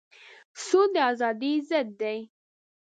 سود د ازادۍ ضد دی.